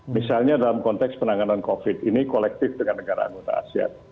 misalnya dalam konteks penanganan covid ini kolektif dengan negara anggota asean